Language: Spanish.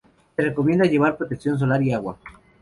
Se recomienda llevar protección solar y agua.